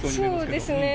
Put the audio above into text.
そうですね。